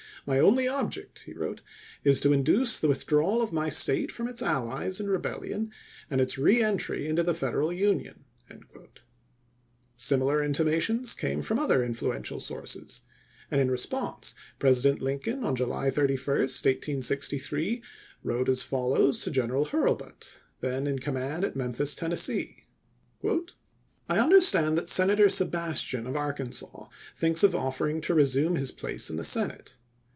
My only object," he wrote, " is to induce the withdrawal of to^u|coin, my State from its allies in rebellion and its re entry into the Federal Union." Similar in timations came from other influential soui'ces, and in response President Lincoln on July 31, 1863, wrote as follows to General Hurlbut, then in com mand at Memphis, Tennessee :... I understand that Senator Sebastian of Arkansas thinks of offering to resume his place in the Senate.